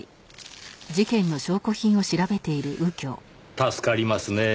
助かりますねぇ。